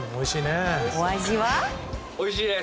おいしいです！